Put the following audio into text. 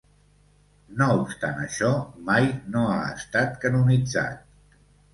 No obstant això, mai no ha estat canonitzat.